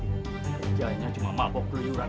kerjanya cuma mabok keluyuran